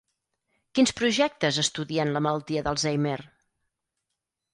Quins projectes estudien la malaltia d'Alzheimer?